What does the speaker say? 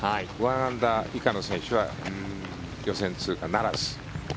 １アンダー以下の選手は予選通過ならず。